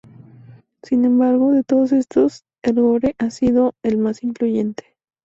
Sin embargo, de todos estos, el gore ha sido el más influyente.